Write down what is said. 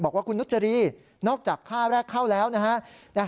บอกว่าคุณนุจรีนอกจากค่าแรกเข้าแล้วนะฮะ